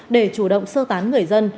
để chủ động sơ tán người dân